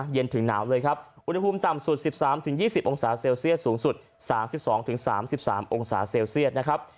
เย็นถึงหนาวเลยครับอุณหภูมิต่ำสุดสิบสามถึงยี่สิบองศาเซลเซลเซียสสูงสุดสามสิบสองถึงสามสิบสามองศาเซลเซียสนะครับ